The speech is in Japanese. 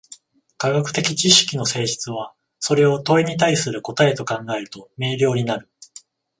科学的知識の性質は、それを問に対する答と考えると明瞭になる。